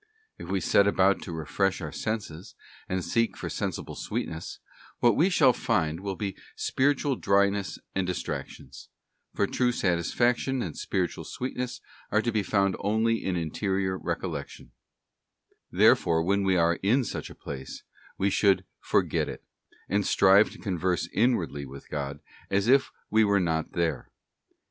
If we set about to refresh our senses, and seek for sensible sweetness, what we shall find will be spiritual dryness and distractions; for true satisfaction and spiritual sweetness are to be found only in interior recollection, Therefore, when we are in such a place, we should forget it, and strive to converse inwardly with God, as if we were not BOOK 2. From Association. 310 THE ASCENT OF MOUNT CARMEL. there.